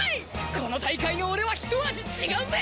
この大会の俺はひと味違うぜ。